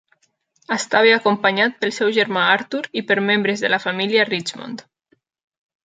Estava acompanyat pel seu germà Arthur i per membres de la família Richmond.